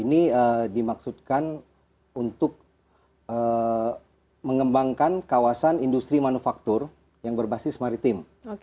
ini dimaksudkan untuk mengembangkan kawasan industri manufaktur yang berbasis maritim